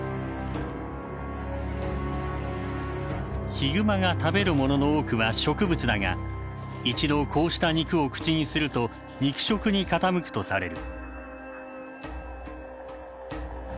ヒグマが食べるものの多くは植物だが一度こうした肉を口にすると肉食に傾くとされる。